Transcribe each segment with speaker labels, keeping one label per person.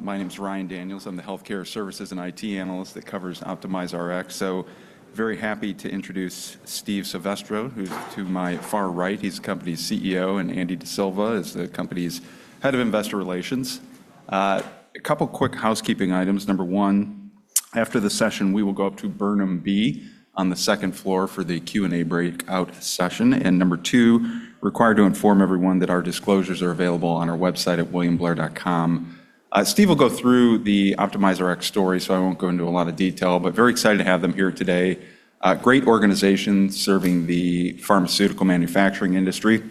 Speaker 1: My name is Ryan Daniels. I'm the Healthcare Services and IT Analyst that covers OptimizeRx. Very happy to introduce Steve Silvestro, who's to my far right. He's the company's CEO, and Andy D'Silva is the company's Head of Investor Relations. A couple quick housekeeping items. Number one, after the session, we will go up to Burnham B on the second floor for the Q&A breakout session. Number two, required to inform everyone that our disclosures are available on our website at williamblair.com. Steve will go through the OptimizeRx story, so I won't go into a lot of detail, but very excited to have them here today. Great organization serving the pharmaceutical manufacturing industry,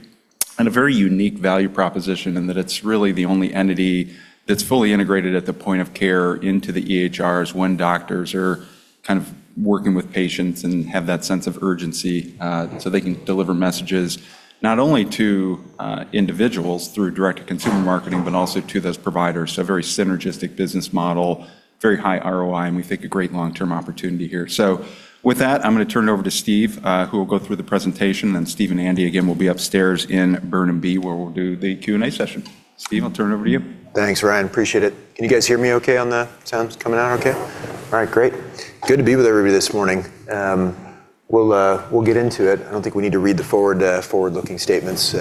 Speaker 1: a very unique value proposition in that it's really the only entity that's fully integrated at the point of care into the EHRs when doctors are kind of working with patients and have that sense of urgency. They can deliver messages not only to individuals through direct-to-consumer marketing, but also to those providers. A very synergistic business model, very high ROI, we think a great long-term opportunity here. With that, I'm going to turn it over to Steve, who will go through the presentation, and Steve and Andy again will be upstairs in Burnham B, where we'll do the Q&A session. Steve, I'll turn it over to you.
Speaker 2: Thanks, Ryan. Appreciate it. Can you guys hear me okay on the sounds coming out okay? All right, great. Good to be with everybody this morning. We'll get into it. I don't think we need to read the forward-looking statements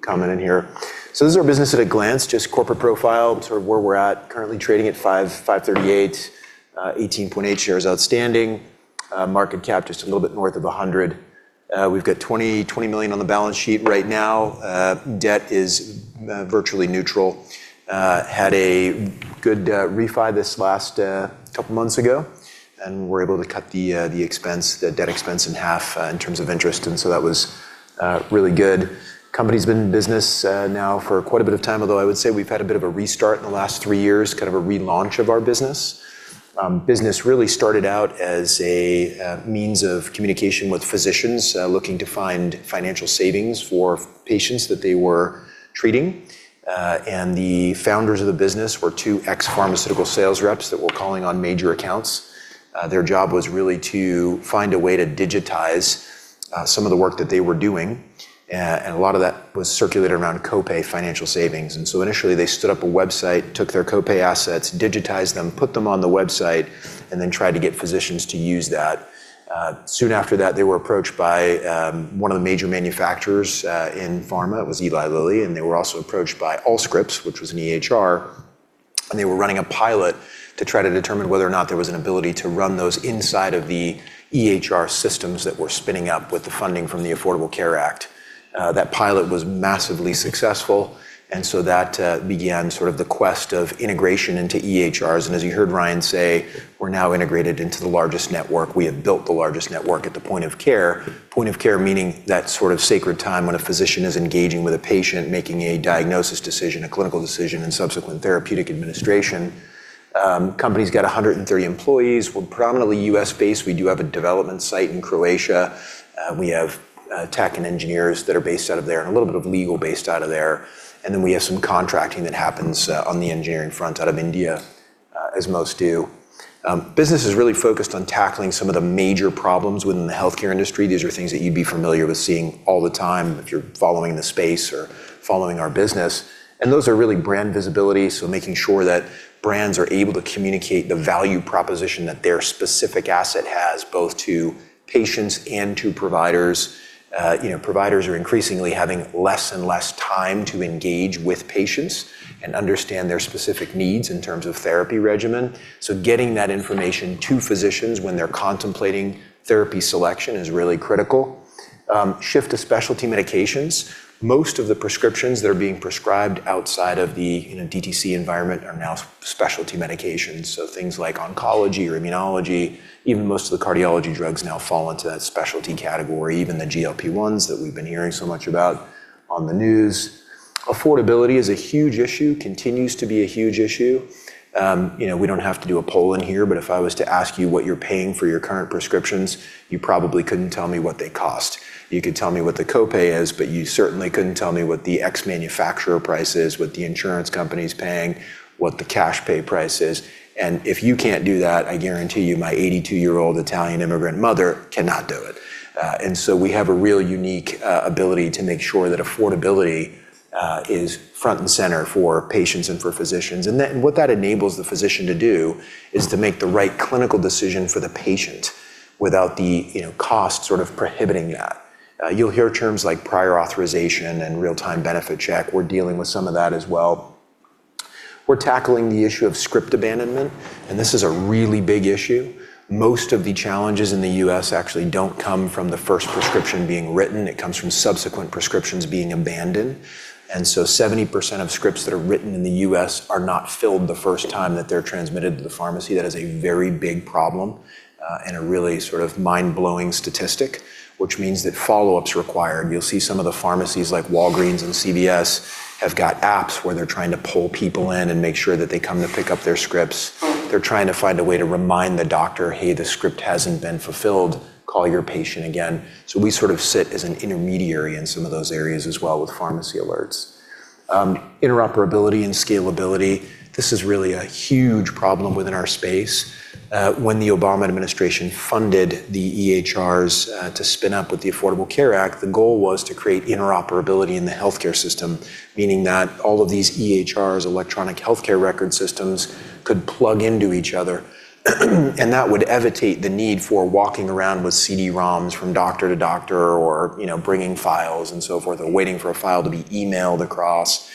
Speaker 2: comment in here. This is our business at a glance, just corporate profile, sort of where we're at. Currently trading at $5.38, 18.8 million shares outstanding. Market cap just a little bit north of $100. We've got $20 million on the balance sheet right now. Debt is virtually neutral. Had a good refi this last couple months ago, and were able to cut the debt expense in half in terms of interest, and so that was really good. Company's been in business now for quite a bit of time, although I would say we've had a bit of a restart in the last three years, kind of a relaunch of our business. Business really started out as a means of communication with physicians looking to find financial savings for patients that they were treating. The founders of the business were two ex-pharmaceutical sales reps that were calling on major accounts. Their job was really to find a way to digitize some of the work that they were doing, and a lot of that was circulated around copay financial savings. Initially, they stood up a website, took their copay assets, digitized them, put them on the website, and then tried to get physicians to use that. Soon after that, they were approached by one of the major manufacturers in pharma. It was Eli Lilly. They were also approached by Allscripts, which was an EHR. They were running a pilot to try to determine whether or not there was an ability to run those inside of the EHR systems that were spinning up with the funding from the Affordable Care Act. That pilot was massively successful. That began sort of the quest of integration into EHRs. As you heard Ryan say, we're now integrated into the largest network. We have built the largest network at the point of care. Point of care meaning that sort of sacred time when a physician is engaging with a patient, making a diagnosis decision, a clinical decision, and subsequent therapeutic administration. Company's got 130 employees. We're predominantly U.S.-based. We do have a development site in Croatia. We have tech and engineers that are based out of there and a little bit of legal based out of there. Then we have some contracting that happens on the engineering front out of India, as most do. Business is really focused on tackling some of the major problems within the healthcare industry. These are things that you'd be familiar with seeing all the time if you're following the space or following our business. Those are really brand visibility, so making sure that brands are able to communicate the value proposition that their specific asset has, both to patients and to providers. Providers are increasingly having less and less time to engage with patients and understand their specific needs in terms of therapy regimen, so getting that information to physicians when they're contemplating therapy selection is really critical. Shift to specialty medications. Most of the prescriptions that are being prescribed outside of the DTC environment are now specialty medications, so things like oncology or immunology. Even most of the cardiology drugs now fall into that specialty category, even the GLP-1s that we've been hearing so much about on the news. Affordability is a huge issue, continues to be a huge issue. We don't have to do a poll in here, but if I was to ask you what you're paying for your current prescriptions, you probably couldn't tell me what they cost. You could tell me what the copay is, but you certainly couldn't tell me what the ex-manufacturer price is, what the insurance company's paying, what the cash pay price is. If you can't do that, I guarantee you my 82-year-old Italian immigrant mother cannot do it. We have a real unique ability to make sure that affordability is front and center for patients and for physicians. What that enables the physician to do is to make the right clinical decision for the patient without the cost sort of prohibiting that. You'll hear terms like prior authorization and real-time benefit check. We're dealing with some of that as well. We're tackling the issue of script abandonment, and this is a really big issue. Most of the challenges in the U.S. actually don't come from the first prescription being written. It comes from subsequent prescriptions being abandoned. 70% of scripts that are written in the U.S. are not filled the first time that they're transmitted to the pharmacy. That is a very big problem and a really sort of mind-blowing statistic, which means that follow-up's required. You'll see some of the pharmacies like Walgreens and CVS have got apps where they're trying to pull people in and make sure that they come to pick up their scripts. They're trying to find a way to remind the doctor, "Hey, the script hasn't been fulfilled. Call your patient again." We sort of sit as an intermediary in some of those areas as well with pharmacy alerts. Interoperability and scalability. This is really a huge problem within our space. When the Obama administration funded the EHRs to spin up with the Affordable Care Act, the goal was to create interoperability in the healthcare system. Meaning that all of these EHRs, electronic healthcare record systems, could plug into each other. That would evitate the need for walking around with CD-ROMs from doctor-to-doctor or bringing files and so forth, or waiting for a file to be emailed across.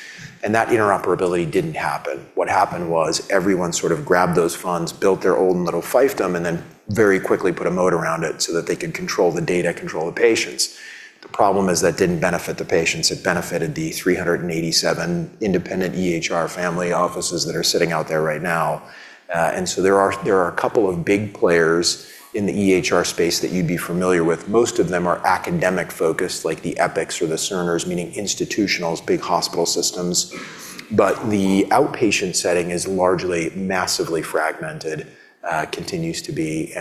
Speaker 2: That interoperability didn't happen. What happened was everyone sort of grabbed those funds, built their own little fiefdom, and then very quickly put a moat around it so that they could control the data, control the patients. The problem is that didn't benefit the patients. It benefited the 387 independent EHR family offices that are sitting out there right now. There are a couple of big players in the EHR space that you'd be familiar with. Most of them are academic-focused, like the Epics or the Cerners, meaning institutionals, big hospital systems. The outpatient setting is largely massively fragmented, continues to be.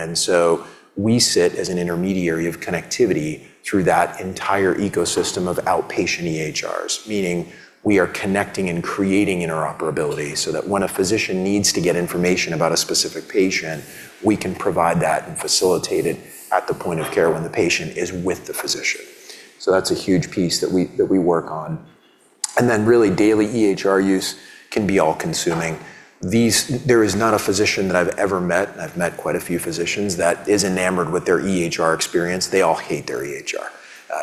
Speaker 2: We sit as an intermediary of connectivity through that entire ecosystem of outpatient EHRs, meaning we are connecting and creating interoperability so that when a physician needs to get information about a specific patient. We can provide that and facilitate it at the point of care when the patient is with the physician. That's a huge piece that we work on. Really daily EHR use can be all-consuming. There is not a physician that I've ever met, and I've met quite a few physicians, that is enamored with their EHR experience. They all hate their EHR.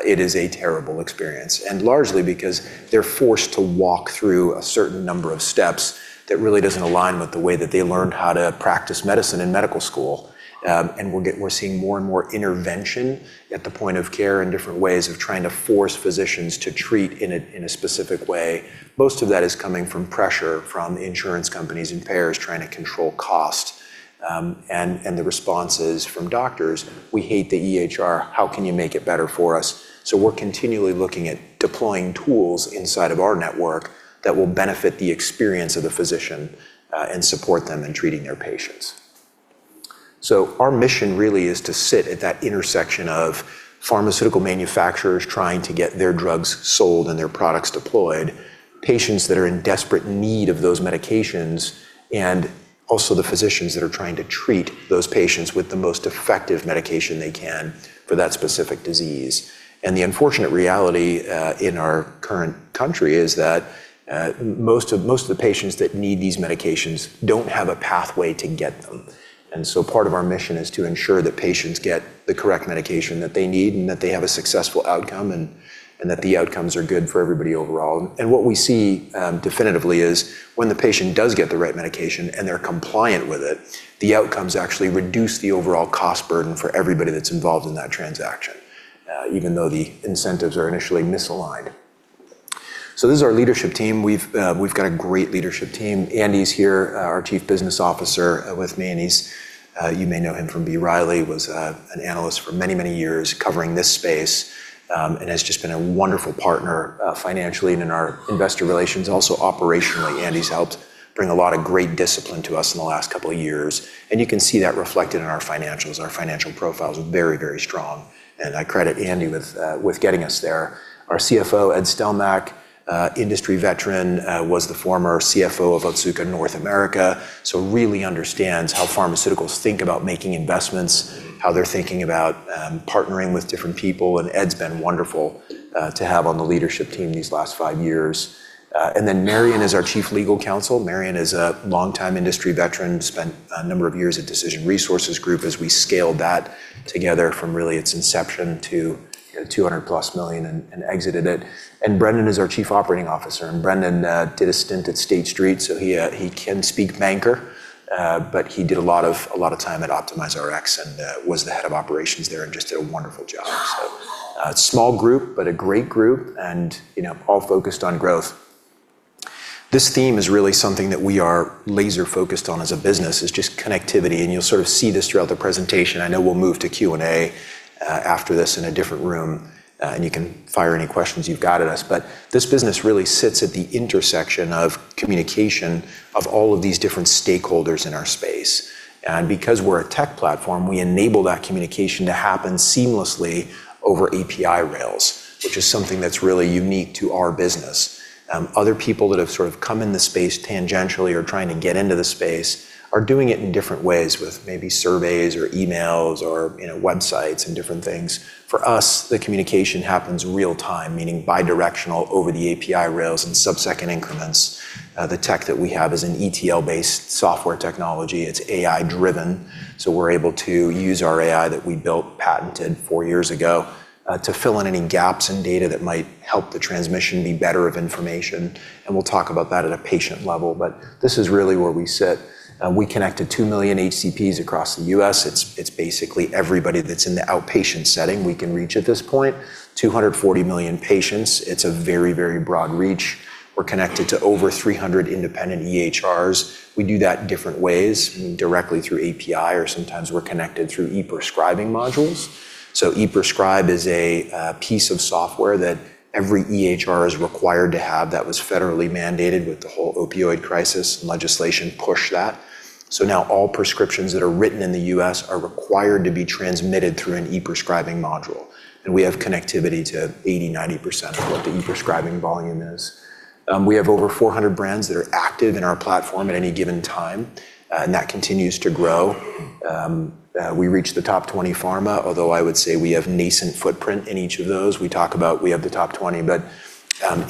Speaker 2: It is a terrible experience. Largely because they're forced to walk through a certain number of steps that really doesn't align with the way that they learned how to practice medicine in medical school. We're seeing more and more intervention at the point of care and different ways of trying to force physicians to treat in a specific way. Most of that is coming from pressure from insurance companies and payers trying to control cost. The response is from doctors, "We hate the EHR. How can you make it better for us?" We're continually looking at deploying tools inside of our network that will benefit the experience of the physician, and support them in treating their patients. Our mission really is to sit at that intersection of pharmaceutical manufacturers trying to get their drugs sold and their products deployed, patients that are in desperate need of those medications, and also the physicians that are trying to treat those patients with the most effective medication they can for that specific disease. The unfortunate reality in our current country is that most of the patients that need these medications don't have a pathway to get them. Part of our mission is to ensure that patients get the correct medication that they need, and that they have a successful outcome, and that the outcomes are good for everybody overall. What we see definitively is when the patient does get the right medication and they're compliant with it, the outcomes actually reduce the overall cost burden for everybody that's involved in that transaction, even though the incentives are initially misaligned. This is our leadership team. We've got a great leadership team. Andy's here, our Chief Business Officer with me, and you may know him from B. Riley, was an Analyst for many, many years covering this space. And has just been a wonderful partner financially and in our Investor Relations. Also operationally, Andy's helped bring a lot of great discipline to us in the last couple of years, and you can see that reflected in our financials. Our financial profile is very, very strong, and I credit Andy with getting us there. Our CFO, Ed Stelmakh, industry veteran, was the former CFO of Otsuka North America, so really understands how pharmaceuticals think about making investments, how they're thinking about partnering with different people, and Ed's been wonderful to have on the leadership team these last five years. Marion is our Chief Legal Counsel. Marion is a longtime industry veteran, spent a number of years at Decision Resources Group as we scaled that together from really its inception to 200+ million and exited it. Brendan is our Chief Operating Officer, and Brendan did a stint at State Street, so he can speak banker, but he did a lot of time at OptimizeRx and was the Head of Operations there and just did a wonderful job. A small group, but a great group and all focused on growth. This theme is really something that we are laser-focused on as a business, is just connectivity, and you'll sort of see this throughout the presentation. I know we'll move to Q&A after this in a different room, and you can fire any questions you've got at us. This business really sits at the intersection of communication of all of these different stakeholders in our space. Because we're a tech platform, we enable that communication to happen seamlessly over API rails, which is something that's really unique to our business. Other people that have sort of come in the space tangentially or trying to get into the space are doing it in different ways with maybe surveys or emails or websites and different things. For us, the communication happens real time, meaning bi-directional over the API rails in sub-second increments. The tech that we have is an ETL-based software technology. It's AI-driven, we're able to use our AI that we built, patented four years ago, to fill in any gaps in data that might help the transmission be better of information, and we'll talk about that at a patient level. This is really where we sit. We connect to two million HCPs across the U.S. It's basically everybody that's in the outpatient setting we can reach at this point. 240 million patients. It's a very broad reach. We're connected to over 300 independent EHRs. We do that in different ways, directly through API or sometimes we're connected through e-prescribing modules. E-prescribe is a piece of software that every EHR is required to have that was federally mandated with the whole opioid crisis. Legislation pushed that. Now all prescriptions that are written in the U.S. are required to be transmitted through an e-prescribing module, and we have connectivity to 80%, 90% of what the e-prescribing volume is. We have over 400 brands that are active in our platform at any given time, and that continues to grow. We reach the top 20 pharma, although I would say we have nascent footprint in each of those. We talk about we have the top 20.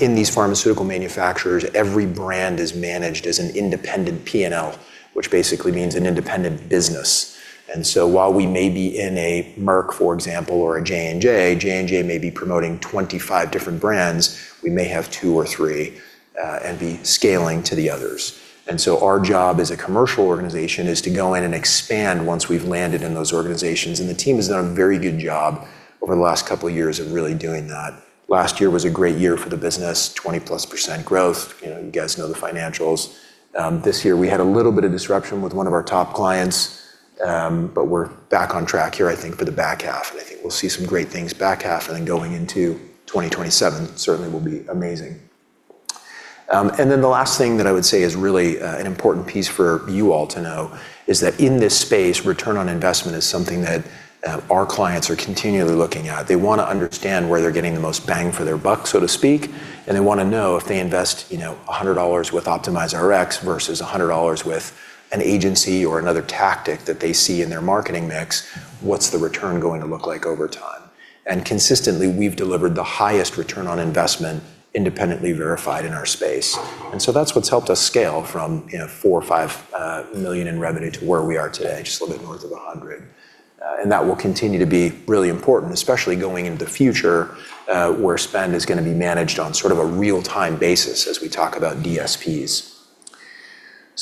Speaker 2: In these pharmaceutical manufacturers, every brand is managed as an independent P&L, which basically means an independent business. While we may be in a Merck, for example, or a J&J. J&J may be promoting 25 different brands, we may have two or three, and be scaling to the others. Our job as a commercial organization is to go in and expand once we've landed in those organizations. The team has done a very good job over the last couple of years of really doing that. Last year was a great year for the business, 20%+ growth. You guys know the financials. This year, we had a little bit of disruption with one of our top clients, but we're back on track here, I think, for the back half. I think we'll see some great things back half and then going into 2027, certainly will be amazing. The last thing that I would say is really an important piece for you all to know is that in this space, return on investment is something that our clients are continually looking at. They want to understand where they're getting the most bang for their buck, so to speak, and they want to know if they invest $100 with OptimizeRx versus $100 with an agency or another tactic that they see in their marketing mix, what's the return going to look like over time? Consistently, we've delivered the highest return on investment independently verified in our space. That's what's helped us scale from $4 million or $5 million in revenue to where we are today, just a little bit north of $100 million. That will continue to be really important, especially going into the future, where spend is going to be managed on sort of a real-time basis as we talk about DSPs.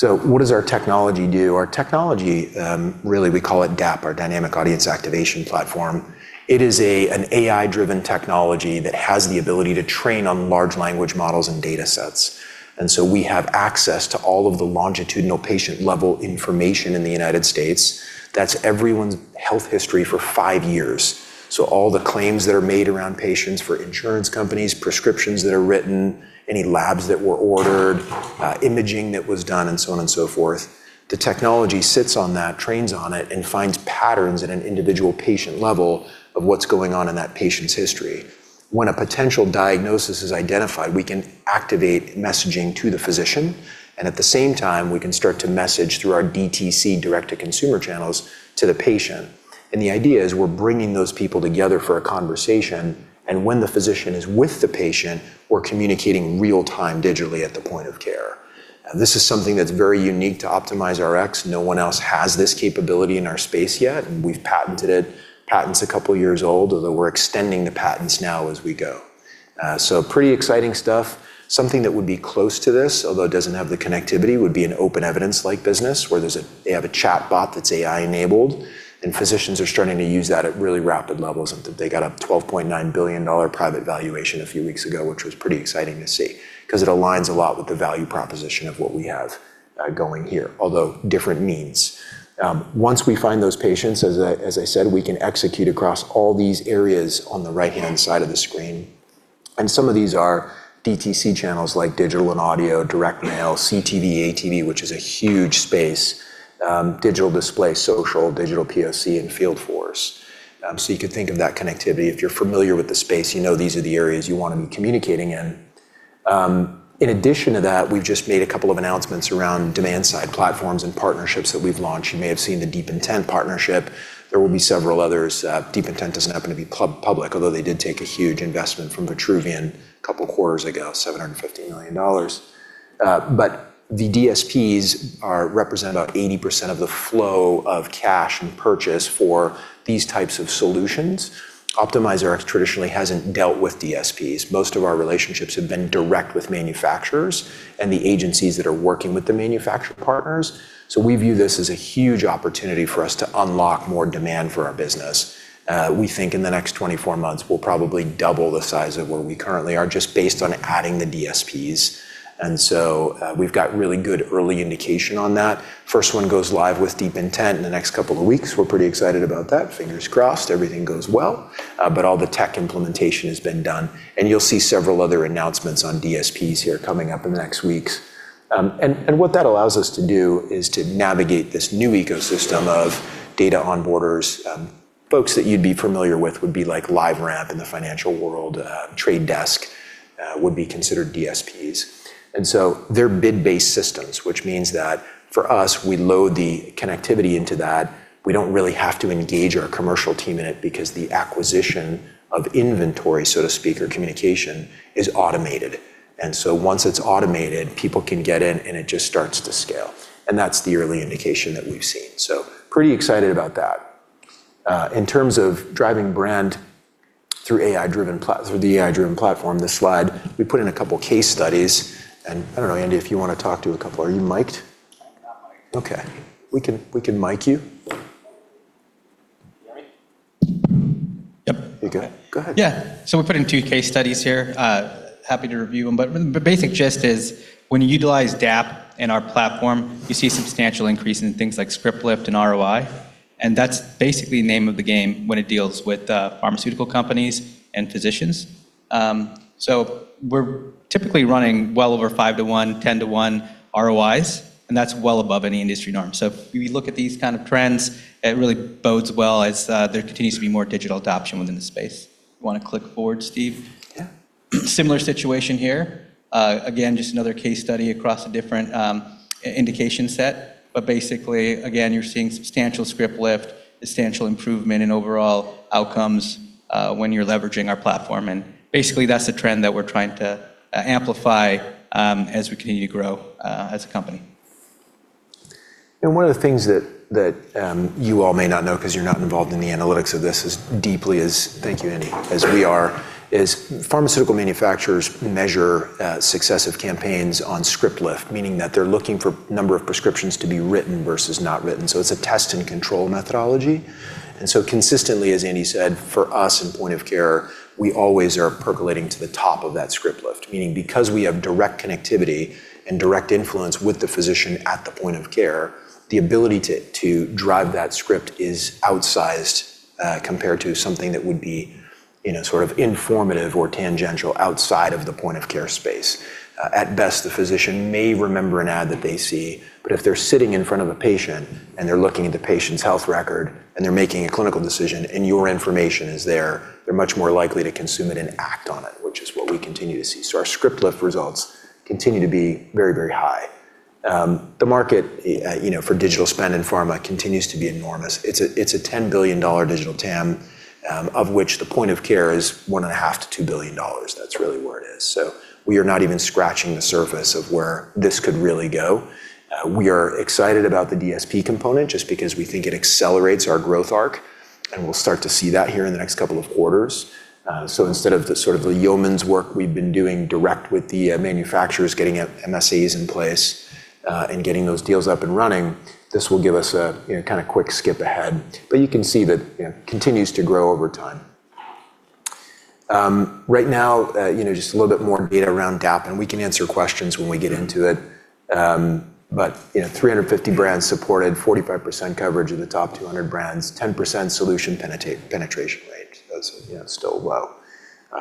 Speaker 2: What does our technology do? Our technology, really, we call it DAAP, our Dynamic Audience Activation Platform. It is an AI-driven technology that has the ability to train on large language models and data sets. We have access to all of the longitudinal patient-level information in the United States. That's everyone's health history for five years. All the claims that are made around patients for insurance companies, prescriptions that are written, any labs that were ordered, imaging that was done, and so on and so forth. The technology sits on that, trains on it, and finds patterns at an individual patient level of what's going on in that patient's history. When a potential diagnosis is identified, we can activate messaging to the physician, and at the same time, we can start to message through our DTC, direct-to-consumer channels, to the patient. The idea is we're bringing those people together for a conversation, and when the physician is with the patient, we're communicating real-time digitally at the point-of-care. This is something that's very unique to OptimizeRx. No one else has this capability in our space yet, and we've patented it. Patent's a couple of years old, although we're extending the patents now as we go. Pretty exciting stuff. Something that would be close to this, although it doesn't have the connectivity, would be an OpenEvidence like business where they have a chatbot that's AI-enabled, and physicians are starting to use that at really rapid levels. They got a $12.9 billion private valuation a few weeks ago, which was pretty exciting to see because it aligns a lot with the value proposition of what we have going here, although different means. Once we find those patients, as I said, we can execute across all these areas on the right-hand side of the screen. Some of these are DTC channels like digital and audio, direct mail, CTV, ATV, which is a huge space, digital display, social, digital POC, and field force. You could think of that connectivity. If you're familiar with the space, you know these are the areas you want to be communicating in. In addition to that, we've just made a couple of announcements around demand-side platforms and partnerships that we've launched. You may have seen the DeepIntent partnership. There will be several others. DeepIntent doesn't happen to be public, although they did take a huge investment from Vitruvian a couple quarters ago, $750 million. The DSPs represent about 80% of the flow of cash and purchase for these types of solutions. OptimizeRx traditionally hasn't dealt with DSPs. Most of our relationships have been direct with manufacturers and the agencies that are working with the manufacturer partners. We view this as a huge opportunity for us to unlock more demand for our business. We think in the next 24 months, we'll probably double the size of where we currently are just based on adding the DSPs. We've got really good early indication on that. First one goes live with DeepIntent in the next couple of weeks. We're pretty excited about that. Fingers crossed everything goes well. All the tech implementation has been done. You'll see several other announcements on DSPs here coming up in the next weeks. What that allows us to do is to navigate this new ecosystem of data onboarders. Folks that you'd be familiar with would be LiveRamp in the financial world. Trade Desk would be considered DSPs. They're bid-based systems, which means that for us, we load the connectivity into that. We don't really have to engage our commercial team in it because the acquisition of inventory, so to speak, or communication, is automated. Once it's automated, people can get in, and it just starts to scale. That's the early indication that we've seen. Pretty excited about that. In terms of driving brand through the AI-driven platform, this slide, we put in a couple case studies. I don't know, Andy, if you want to talk to a couple. Are you mic'd?
Speaker 3: I'm not mic'd.
Speaker 2: Okay. We can mic you. Yep. You're good. Go ahead.
Speaker 3: Yeah. We put in two case studies here. Happy to review them. Basic gist is when you utilize DAAP in our platform, you see a substantial increase in things like script lift and ROI, and that's basically name of the game when it deals with pharmaceutical companies and physicians. We're typically running well over five to one, 10 to one ROIs, and that's well above any industry norm. If you look at these kind of trends, it really bodes well as there continues to be more digital adoption within the space. You want to click forward, Steve?
Speaker 2: Yeah.
Speaker 3: Similar situation here. Again, just another case study across a different indication set. Basically, again, you're seeing substantial script lift, substantial improvement in overall outcomes when you're leveraging our platform. Basically, that's the trend that we're trying to amplify as we continue to grow as a company.
Speaker 2: One of the things that you all may not know, because you're not involved in the analytics of this as deeply as, thank you, Andy, as we are, is pharmaceutical manufacturers measure successive campaigns on script lift, meaning that they're looking for number of prescriptions to be written versus not written. It's a test and control methodology. Consistently, as Andy said, for us in point-of-care, we always are percolating to the top of that script lift, meaning because we have direct connectivity and direct influence with the physician at the point-of-care, the ability to drive that script is outsized compared to something that would be informative or tangential outside of the point-of-care space. At best, the physician may remember an ad that they see, but if they're sitting in front of a patient and they're looking at the patient's health record and they're making a clinical decision and your information is there, they're much more likely to consume it and act on it, which is what we continue to see. Our script lift results continue to be very, very high. The market for digital spend in pharma continues to be enormous. It's a $10 billion digital TAM, of which the point-of-care is $1.5 billion-$2 billion. That's really where it is. We are not even scratching the surface of where this could really go. We are excited about the DSP component just because we think it accelerates our growth arc, and we'll start to see that here in the next couple of quarters. Instead of the yeoman's work we've been doing direct with the manufacturers, getting MSAs in place and getting those deals up and running, this will give us a quick skip ahead. You can see that it continues to grow over time. Right now just a little bit more data around DAAP, and we can answer questions when we get into it. 350 brands supported, 45% coverage in the top 200 brands, 10% solution penetration rate. That's still low.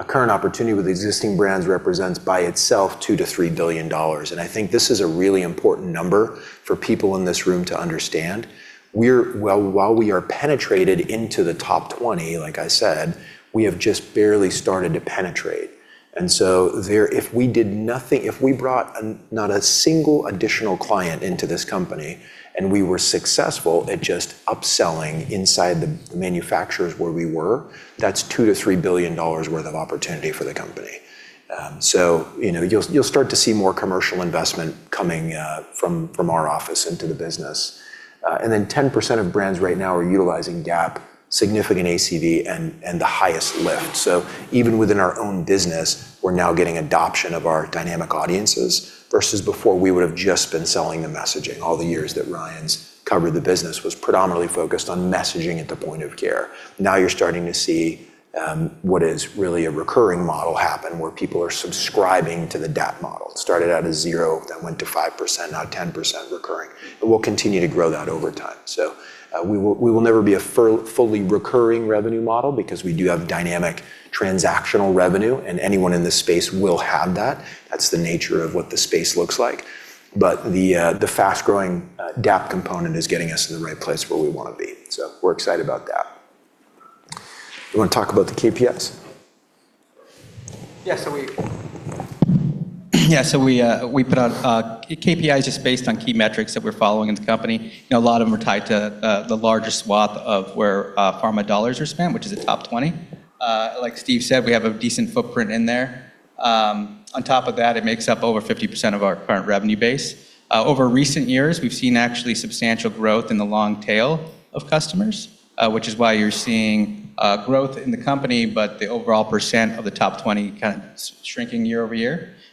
Speaker 2: Current opportunity with existing brands represents by itself $2 billion-$3 billion. I think this is a really important number for people in this room to understand. While we are penetrated into the top 20, like I said, we have just barely started to penetrate. If we did nothing, if we brought not a single additional client into this company, and we were successful at just upselling inside the manufacturers where we were, that's $2 billion-$3 billion worth of opportunity for the company. You'll start to see more commercial investment coming from our office into the business. 10% of brands right now are utilizing DAAP, significant ACV, and the highest lift. Even within our own business, we're now getting adoption of our dynamic audiences versus before we would've just been selling the messaging. All the years that Ryan's covered the business was predominantly focused on messaging at the point-of-care. Now you're starting to see what is really a recurring model happen, where people are subscribing to the DAAP model. It started out as 0%, then went to 5%, now 10% recurring, and we'll continue to grow that over time. We will never be a fully recurring revenue model because we do have dynamic transactional revenue, and anyone in this space will have that. That's the nature of what the space looks like. The fast-growing DAAP component is getting us in the right place where we want to be. We're excited about DAAP. You want to talk about the KPIs?
Speaker 3: Yeah. We put out KPIs just based on key metrics that we're following in the company. A lot of them are tied to the larger swath of where pharma dollars are spent, which is the top 20. Like Steve said, we have a decent footprint in there. On top of that, it makes up over 50% of our current revenue base. Over recent years, we've seen actually substantial growth in the long tail of customers, which is why you're seeing growth in the company, but the overall percent of the top 20 kind of shrinking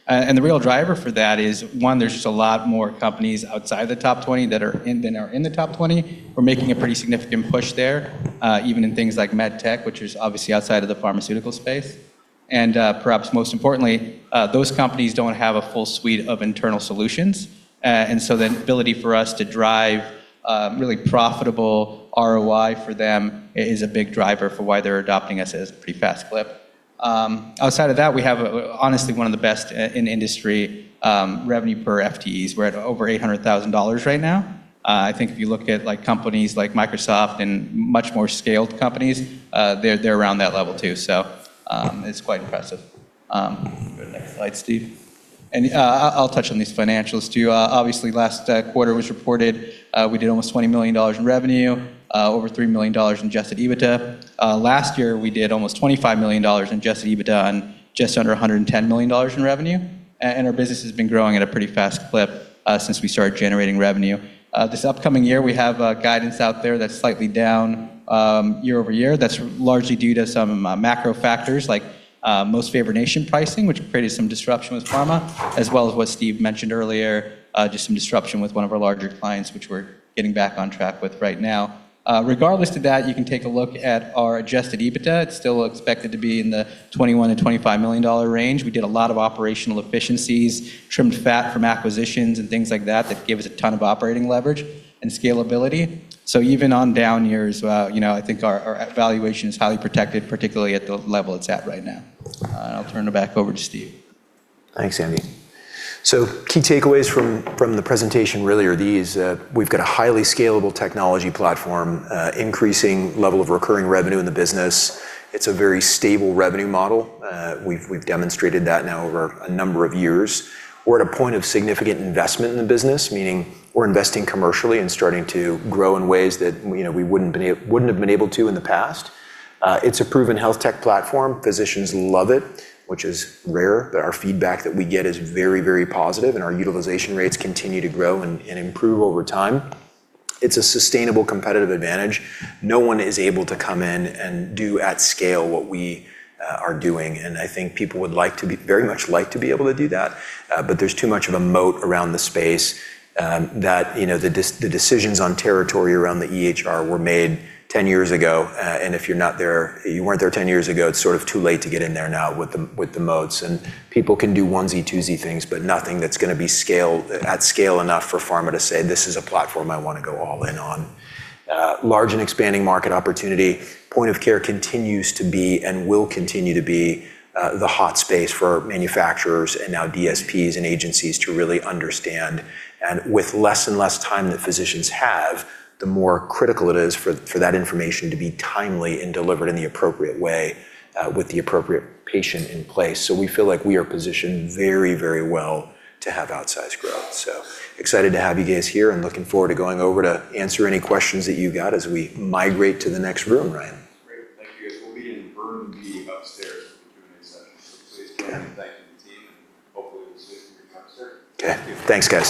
Speaker 3: year-over-year. The real driver for that is, one, there's just a lot more companies outside the top 20 than are in the top 20. We're making a pretty significant push there, even in things like MedTech, which is obviously outside of the pharmaceutical space. Perhaps most importantly, those companies don't have a full suite of internal solutions. The ability for us to drive really profitable ROI for them is a big driver for why they're adopting us at a pretty fast clip. Outside of that, we have honestly one of the best in-industry revenue per FTEs. We're at over $800,000 right now. I think if you look at companies like Microsoft and much more scaled companies, they're around that level too, so it's quite impressive. Go to the next slide, Steve. I'll touch on these financials too. Obviously, last quarter was reported. We did almost $20 million in revenue, over $3 million in adjusted EBITDA. Last year, we did almost $25 million in adjusted EBITDA on just under $110 million in revenue. Our business has been growing at a pretty fast clip since we started generating revenue. This upcoming year, we have guidance out there that's slightly down year-over-year. That's largely due to some macro factors like most favored nation pricing, which created some disruption with pharma, as well as what Steve mentioned earlier, just some disruption with one of our larger clients, which we're getting back on track with right now. Regardless of that, you can take a look at our adjusted EBITDA. It's still expected to be in the $21 million-$25 million range. We did a lot of operational efficiencies, trimmed fat from acquisitions and things like that give us a ton of operating leverage and scalability. Even on down years, I think our valuation is highly protected, particularly at the level it's at right now. I'll turn it back over to Steve.
Speaker 2: Thanks, Andy. Key takeaways from the presentation really are these. We've got a highly scalable technology platform, increasing level of recurring revenue in the business. It's a very stable revenue model. We've demonstrated that now over a number of years. We're at a point of significant investment in the business, meaning we're investing commercially and starting to grow in ways that we wouldn't have been able to in the past. It's a proven health tech platform. Physicians love it, which is rare, but our feedback that we get is very, very positive, and our utilization rates continue to grow and improve over time. It's a sustainable competitive advantage. No one is able to come in and do at scale what we are doing, and I think people would very much like to be able to do that, but there's too much of a moat around the space that the decisions on territory around the EHR were made 10 years ago, and if you weren't there 10 years ago, it's sort of too late to get in there now with the moats. People can do onesie, twosie things, but nothing that's going to be at scale enough for pharma to say, "This is a platform I want to go all in on." Large and expanding market opportunity. Point-of-care continues to be and will continue to be the hot space for manufacturers and now DSPs and agencies to really understand. With less and less time that physicians have, the more critical it is for that information to be timely and delivered in the appropriate way with the appropriate patient in place. We feel like we are positioned very well to have outsized growth. Excited to have you guys here and looking forward to going over to answer any questions that you got as we migrate to the next room, Ryan.
Speaker 1: Great. Thank you, guys. We'll be in room B upstairs for the Q&A session. Please join me in thanking the team, and hopefully we'll see some of you come through.
Speaker 2: Okay. Thanks, guys